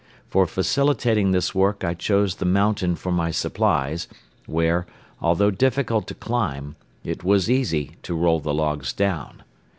For facilitating this work I chose the mountain for my supplies, where, although difficult to climb, it was easy to roll the logs down.